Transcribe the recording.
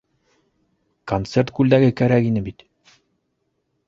- Концерт күлдәге кәрәк ине бит.